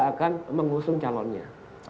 akan mengusung calonnya